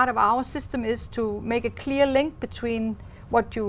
thơ bò đây là món thích của tôi